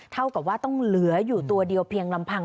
เท่ากับว่าต้องเหลืออยู่ตัวเดียวเพียงลำพัง